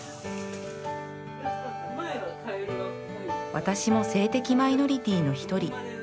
「私も性的マイノリティーの一人」